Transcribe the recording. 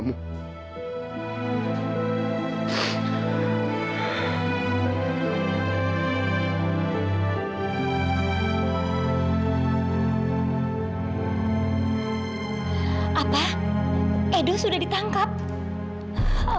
edo sudah ditangkap